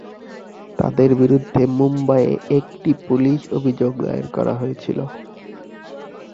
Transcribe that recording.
তাদের বিরুদ্ধে মুম্বইয়ে একটি পুলিশ অভিযোগ দায়ের করা হয়েছিল।